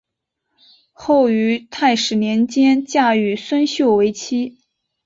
后于泰始年间嫁于孙秀为妻。